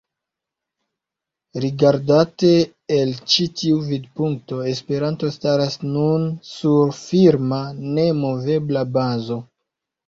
Rigardate el ĉi tiu vidpunkto, Esperanto staras nun sur firma, nemovebla bazo.